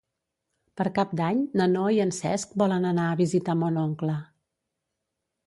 Per Cap d'Any na Noa i en Cesc volen anar a visitar mon oncle.